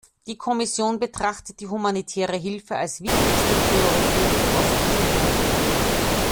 Die Kommission betrachtet die humanitäre Hilfe als wichtigste Priorität für Ost-Timor.